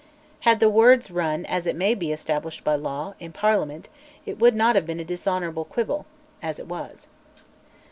Had the words run "as it may be established by law" (in Parliament) it would not have been a dishonourable quibble as it was.